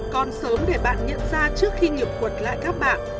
còn sớm để bạn nhận ra trước khi nhập quật lại các bạn